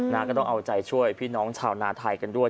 ก็ต้องเอาใจช่วยพี่น้องชาวนาไทยกันด้วย